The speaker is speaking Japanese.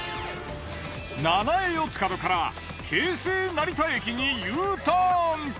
七栄四ツ角から京成成田駅にＵターン。